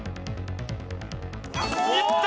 いった！